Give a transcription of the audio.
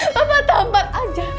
bapak tampar aja